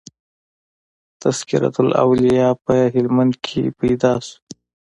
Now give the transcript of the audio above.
"تذکرةالاولیاء" په هلمند کښي پيدا سو.